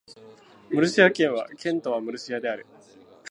ムルシア県の県都はムルシアである